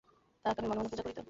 তাহাকে আমি মনে মনে পূজা করিতাম।